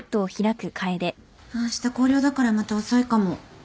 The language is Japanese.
あした校了だからまた遅いかも。